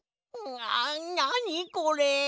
ななにこれ！？